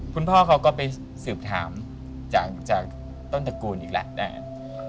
คุณพ่อเขาก็ไปสืบถามจากต้นตระกูลอีกแล้วนะครับ